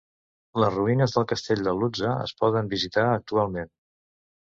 Les ruïnes del castell de Ludza es poden visitar actualment.